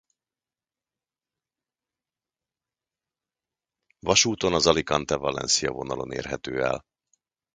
Vasúton az Alicante- Valencia vonalon érhető el.